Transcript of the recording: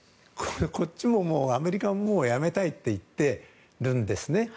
アメリカももうやめたいと言ってるんですね。